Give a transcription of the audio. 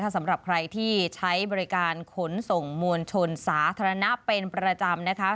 สำหรับใครที่ใช้บริการขนส่งมวลชนศาสนาเป็นประจำ